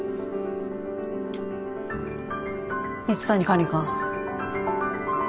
蜜谷管理官。